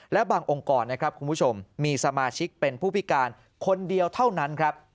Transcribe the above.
และบางองค์กรมีสมาชิกเป็นผู้พิการคนเดียวเท่านั้น